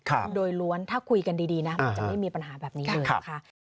โดยล้วนถ้าคุยกันดีดีนะมันจะไม่มีปัญหาแบบนี้เลยนะคะ